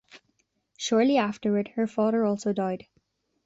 Shortly afterward, her father also died.